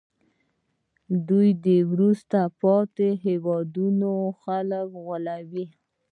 دوی د وروسته پاتې هېوادونو خلک غولوي